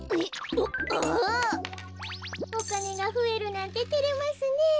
おかねがふえるなんててれますねえ。